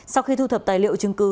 sau khi thu thập tài liệu